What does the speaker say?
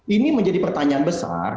ini menjadi pertanyaan besar